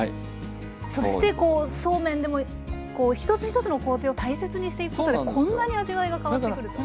そしてこうそうめんでも一つ一つの工程を大切にしていくことでこんなに味わいが変わってくると。